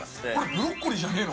ブロッコリーじゃねえの？